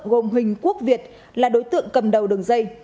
gồm huỳnh quốc việt là đối tượng cầm đầu đường dây